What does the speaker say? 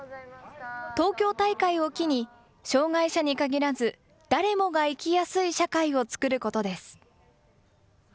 東京大会を機に、障害者に限らず、誰もが生きやすい社会を作ることです。